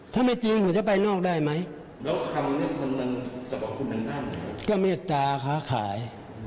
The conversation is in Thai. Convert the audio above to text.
ถ้าไม่จริงผมจะไปนอกได้มั้ย